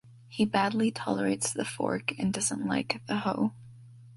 He badly tolerates the fork and doesn’t like the hoe.